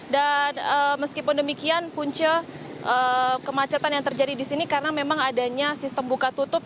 dan meskipun demikian punca kemacetan yang terjadi di sini karena memang adanya sistem buka tutup